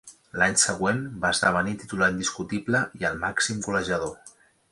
L'any següent va esdevenir titular indiscutible i el màxim golejador.